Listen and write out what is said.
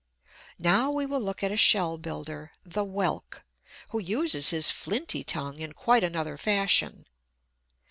Now we will look at a shell builder, the Whelk, who uses his flinty tongue in quite another fashion.